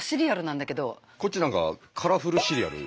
こっち何かカラフルシリアル。